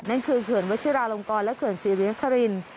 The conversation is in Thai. นั่นคือเขื่อนวัชิราลงกรและเขื่อนศรีริยนคริน